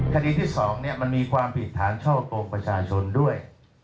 คดีที่๒มันมีความผิดฐานช่อกงประชาชนด้วย